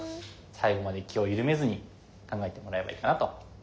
最後まで気を緩めずに考えてもらえばいいかなと思います。